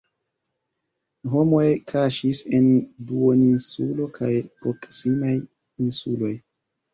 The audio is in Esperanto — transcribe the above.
Homoj kaŝis en duoninsulo kaj proksimaj insuloj.